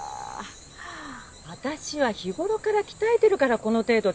私は日頃から鍛えてるからこの程度で済んだのよ。